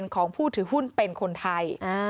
ของผู้ถือหุ้นเป็นคนไทย